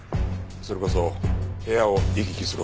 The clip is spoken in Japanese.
それこそ部屋を行き来するほど。